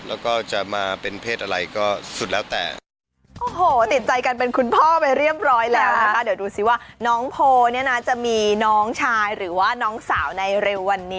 แล้วก็จะมาเป็นเพศอะไรก็สุดแล้วแต่